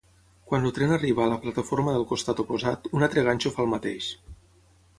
Quan el tren arriba a la plataforma del costat oposat, un altre ganxo fa el mateix.